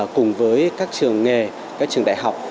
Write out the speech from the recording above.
cùng với các trường nghề các trường đại học